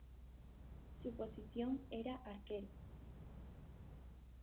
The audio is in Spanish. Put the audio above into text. Su posición era arquero.